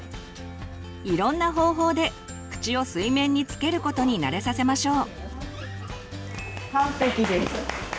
いろんな方法で口を水面につけることに慣れさせましょう。